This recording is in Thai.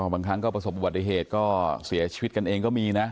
บางครั้งก็ประสบอุบัติเหตุก็เสียชีวิตกันเองก็มีนะ